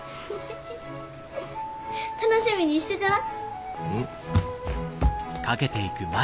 楽しみにしててな！